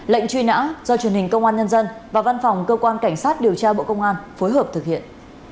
lệnh truy nã do truyền hình công an nhân dân và văn phòng cơ quan cảnh sát điều tra bộ công an phối hợp thực hiện